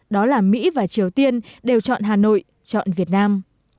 đó là mỹ và triều tiên đều chọn hà nội chọn việt nam